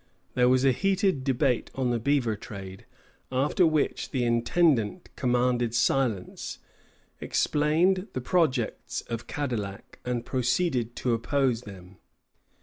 There was a heated debate on the beaver trade, after which the intendant commanded silence, explained the projects of Cadillac, and proceeded to oppose them.